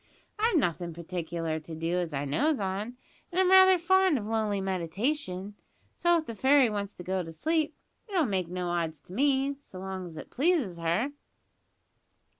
I've nothin' particular to do as I knows on, an' I'm raither fond of lonely meditation; so if the fairy wants to go to sleep, it'll make no odds to me, so long's it pleases her."